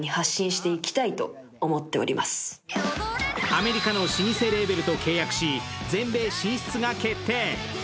アメリカの老舗レーベルと契約し全米進出が決定。